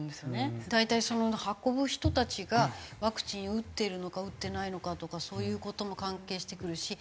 大体運ぶ人たちがワクチンを打ってるのか打ってないのかとかそういう事も関係してくるし。